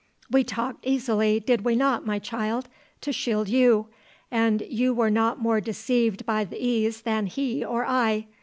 "We talked easily, did we not, my child, to shield you, and you were not more deceived by the ease than he or I.